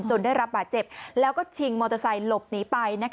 ได้รับบาดเจ็บแล้วก็ชิงมอเตอร์ไซค์หลบหนีไป